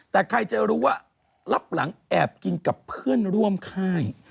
แต่ใครจะรู้ว่ารับหลังแอบกินกับเพื่อนร่วมค่าย